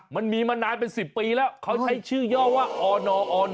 มันมีมานานเป็น๑๐ปีแล้วเขาใช้ชื่อย่อว่าอนอ๑